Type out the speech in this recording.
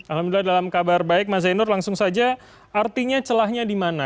alhamdulillah dalam kabar baik mas zainur langsung saja artinya celahnya di mana